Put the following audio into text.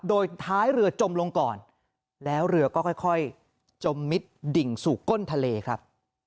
โดยท้ายเรือจมลงก่อนแล้วเรือก็ค่อยจมมิดดิ่งสู่ก้นทะเลครับ